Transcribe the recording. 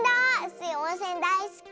スイおんせんだいすき。